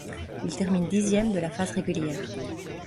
Il termine dixième de la phase régulière.